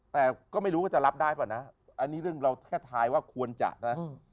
แต่ก็ไม่รู้ว่าจะรับได้เปล่านะอันนี้เรื่องเราแค่ทายว่าควรจะนะ